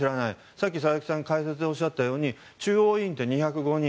さっき、佐々木さんが解説でおっしゃったように中央委員って２０５人